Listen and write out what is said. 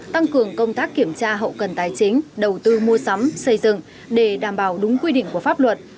tăng cường công tác kiểm tra hậu cần tài chính đầu tư mua sắm xây dựng để đảm bảo đúng quy định của pháp luật